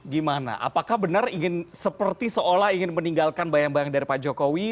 gimana apakah benar ingin seperti seolah ingin meninggalkan bayang bayang dari pak jokowi